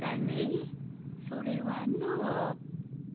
それはの。